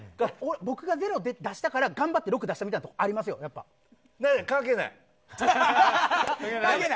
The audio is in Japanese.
僕が０で出したから頑張って６出したみたいなところ関係ない！